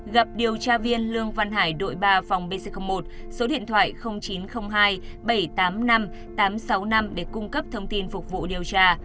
gặp điều tra viên lương văn hải đội ba phòng bc một số điện thoại chín trăm linh hai bảy trăm tám mươi năm tám trăm sáu mươi năm để cung cấp thông tin phục vụ điều tra